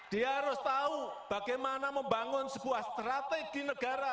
dia harus tahu bagaimana membangun sebuah strategi negara